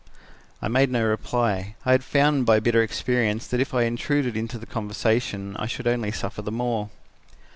"I made no reply. I had found by bitter experience that if I intruded into the conversation, I should only suffer the more.